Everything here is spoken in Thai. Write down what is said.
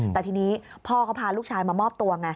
แต่ทีนี้พ่อเขาพาลูกชายมามอบตัวไง